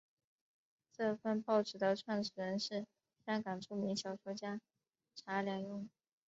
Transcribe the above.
这份报纸的创办人是香港著名小说家查良镛。